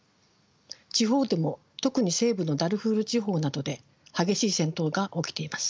地方でも特に西部のダルフール地方などで激しい戦闘が起きています。